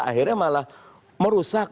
akhirnya malah merusak